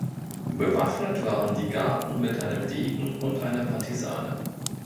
Bewaffnet waren die Garden mit einem Degen und einer Partisane.